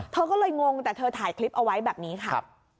เธอก็เลยงงแต่เธอถ่ายคลิปเอาไว้แบบนี้ค่ะ